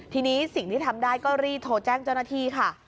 ทีนี้สิ่งที่ทำได้ก็รีบโทรแจ้งเจ้าหน้าที่ค่ะ